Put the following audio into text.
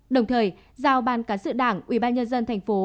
đồng thời giao ban cán sự đảng ubnd tp